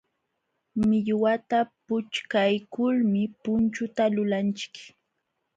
Millwata puchkaykulmi punchuta lulanchik.